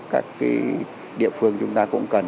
các cái địa phương chúng ta cũng cần